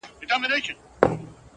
• بیا هم ته نه وې لالا -